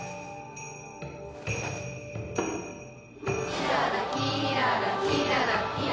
きららきららきららきら